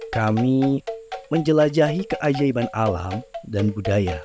kami menjelajahi keajaiban alam dan budaya